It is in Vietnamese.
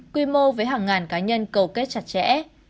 quy mô với hàng ngàn cá nhân cầu kết chặt chẽ